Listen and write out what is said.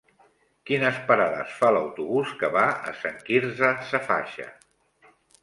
Quines parades fa l'autobús que va a Sant Quirze Safaja?